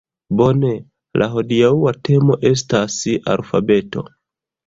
Bone. La hodiaŭa temo estas alfabeto